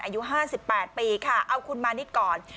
อายุ๕๘ปีค่ะเอาคุณมานิดก่อน